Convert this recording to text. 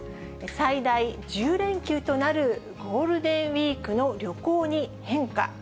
最大１０連休となるゴールデンウィークの旅行に変化。